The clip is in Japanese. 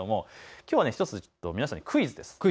きょうは１つ、皆さんにクイズです。